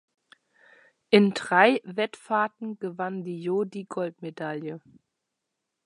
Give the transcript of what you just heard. In drei Wettfahrten gewann die "Jo" die Goldmedaille.